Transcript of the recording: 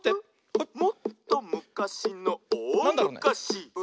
「もっとむかしのおおむかし」